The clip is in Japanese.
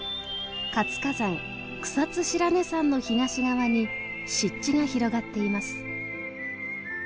活火山草津白根山の東側に湿地が広がっています。